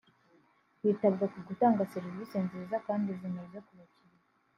hitabwa ku gutanga serivisi nziza kandi zinoze ku bakiliya